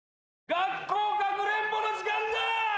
学校かくれんぼの時間だ！